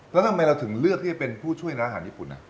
แล้วทำไมเราถึงเลือกที่จะเป็นผู้ช่วยร้านอาหารญี่ปุ่น